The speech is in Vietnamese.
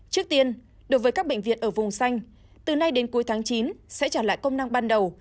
trước tiên đối với các bệnh viện ở vùng xanh từ nay đến cuối tháng chín sẽ trả lại công năng ban đầu